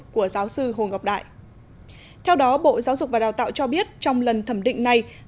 của giáo sư hồ ngọc đại theo đó bộ giáo dục và đào tạo cho biết trong lần thẩm định này